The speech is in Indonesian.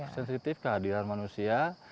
sensitif kehadiran manusia